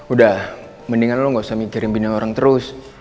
udah mendingan lu gak usah mikirin bina orang terus